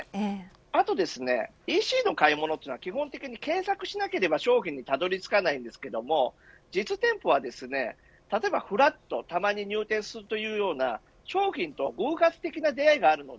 あと、ＥＣの買い物は基本的に検索しなければ消費にたどり着きませんが実店舗は例えば、ふらっとたまに入店するというような商品と偶発的な出会いがあります。